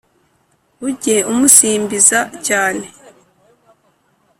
ujye umusimbiza cyane